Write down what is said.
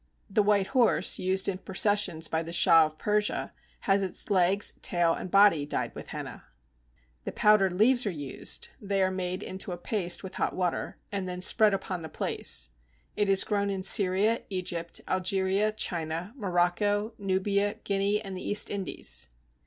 The white horse used in processions by the Shah of Persia has its legs, tail, and body dyed with henna. The powdered leaves are used: they are made into a paste with hot water, and then spread upon the place. It is grown in Syria, Egypt, Algeria, China, Morocco, Nubia, Guinea, and the East Indies.